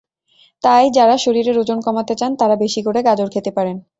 তাই যাঁরা শরীরের ওজন কমাতে চান, তাঁরা বেশি করে গাজর খেতে পারেন।